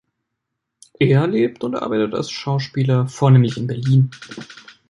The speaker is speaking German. Er lebt und arbeitet als Schauspieler vornehmlich in Berlin.